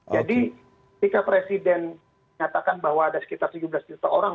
jadi ketika presiden nyatakan bahwa ada sekitar tujuh belas juta orang